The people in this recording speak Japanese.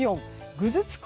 ぐずつく